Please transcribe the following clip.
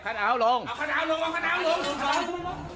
โอเคคันอาวน์ลงโอเคคันอาวน์ลง